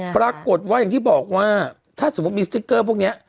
ปรากฏว่าอย่างที่บอกว่าถ้าสมมุติมีสติ๊กเกอร์พวกนี้